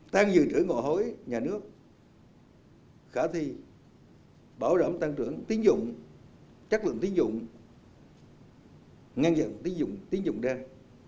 tăng dự trữ ngộ hối nhà nước khả thi bảo đảm tăng trưởng tín dụng chất lượng tín dụng ngăn dặn tín dụng đen